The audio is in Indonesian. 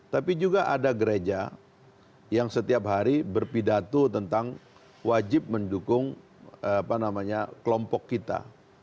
tapi juga ada gereja yang setiap hari berpidato tentang wajib mendukung kelompok kita